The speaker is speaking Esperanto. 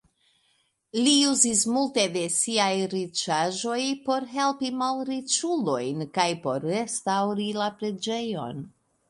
Li uzis multe da siaj riĉaĵoj por helpi malriĉulojn kaj por restaŭri la preĝejon.